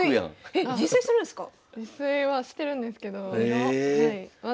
えっ自炊するんですか？